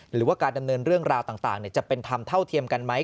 หรือว่าการดำเนินเรื่องราวต่างจะเป็นธรรมเท่าเทียมกันไหม